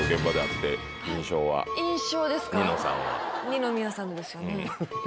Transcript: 二宮さんのですよね。